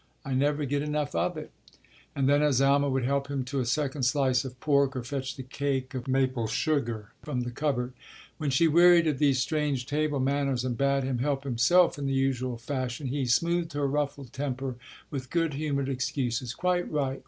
I never get enough of it ..." And then Azalma would help him to a second slice of pork or fetch the cake of maple sugar from the cupboard. When she wearied of these strange table manners and bade him help himself in the usual fashion, he smoothed her ruffled temper with good humoured excuses, "Quite right.